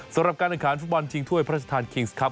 สำหรับการแข่งขันฟุตบอลชิงถ้วยพระราชทานคิงส์ครับ